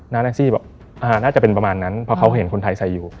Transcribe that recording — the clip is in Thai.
แท็กซี่บอกน่าจะเป็นประมาณนั้นเพราะเขาเห็นคนไทยใส่อยู่